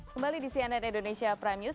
kembali di cnn indonesia prime news